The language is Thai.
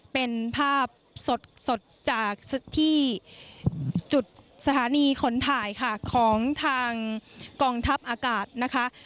เป็นภาพสดจากที่จุดสถานีขนถ่ายค่ะของทางกองทัพอากาศนะคะ